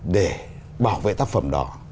để bảo vệ tác phẩm đó